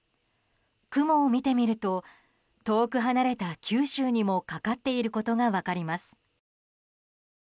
雲を見てみると遠く離れた九州にもかかっていることが分かります。